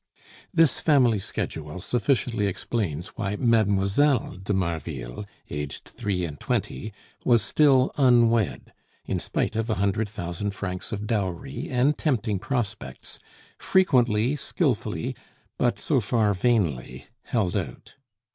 This family schedule sufficiently explains why Mlle. de Marville, aged three and twenty, was still unwed, in spite of a hundred thousand francs of dowry and tempting prospects, frequently, skilfully, but so far vainly, held out.